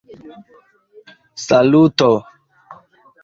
saluto